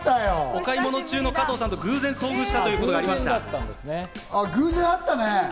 お買い物中の加藤さんと偶然遭遇したことがありました。